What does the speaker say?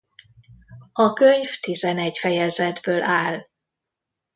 A könyv tizenegy fejezetből áll.